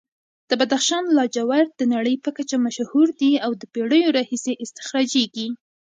د بدخشان لاجورد د نړۍ په کچه مشهور دي او د پېړیو راهیسې استخراجېږي.